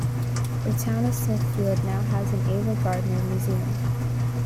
The town of Smithfield now has an Ava Gardner Museum.